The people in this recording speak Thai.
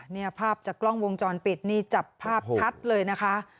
เนี่ยภาพจากกล้องวงจรปิดนี่จับภาพชัดเลยนะคะ